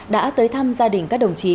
đã tới thăm gia đình các đồng chí